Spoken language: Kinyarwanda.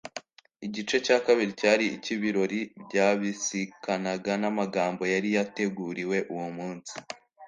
igice cya kabiri cyari icy'ibirori byabisikanaga n'amagambo yari yateguriwe uwo munsi